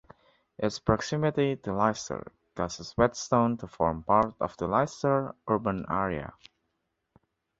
Its proximity to Leicester causes Whetstone to form part of the Leicester Urban Area.